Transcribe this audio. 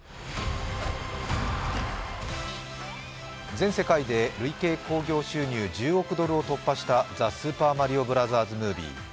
全世界で累計興行収入１０億円を突破した「ザ・スーパーマリオブラザーズ・ムービー」。